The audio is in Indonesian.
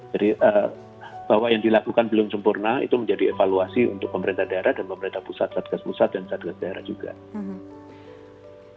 jadi bahwa yang dilakukan belum sempurna itu menjadi evaluasi untuk pemerintah daerah dan pemerintah pusat satgas pusat dan satgas daerah juga